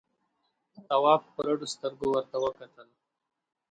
تواب په رډو سترګو ورته وکتل.